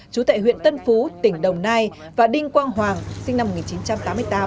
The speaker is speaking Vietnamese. chú tại huyện tân phú tỉnh đồng nai và đinh quang hoàng sinh năm một nghìn chín trăm tám mươi tám